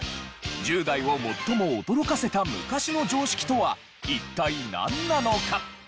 １０代を最も驚かせた昔の常識とは一体なんなのか？